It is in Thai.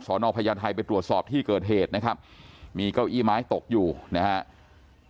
นอพญาไทยไปตรวจสอบที่เกิดเหตุนะครับมีเก้าอี้ไม้ตกอยู่นะครับ